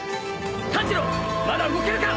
炭治郎まだ動けるか！！